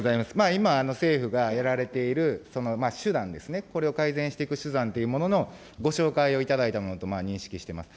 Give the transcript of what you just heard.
今、政府がやられている手段ですね、これを改善していく手段というもののご紹介を頂いたものと認識しています。